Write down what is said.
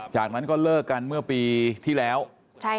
จากนั้นก็เลิกกันเมื่อปีที่แล้วใช่ค่ะ